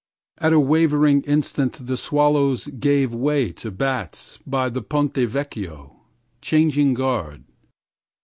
28At a wavering instant the swallows gave way to bats29By the Ponte Vecchio ...30Changing guard.